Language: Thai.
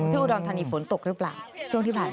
อุดรธานีฝนตกหรือเปล่าช่วงที่ผ่านมา